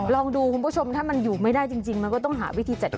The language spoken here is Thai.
ลองดูคุณผู้ชมถ้ามันอยู่ไม่ได้จริงมันก็ต้องหาวิธีจัดการ